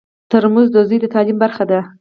ترموز د زوی د تعلیم برخه ده.